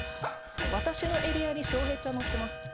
私のエリアに翔平ちゃん乗ってます。